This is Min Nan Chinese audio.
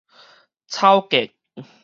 草鍥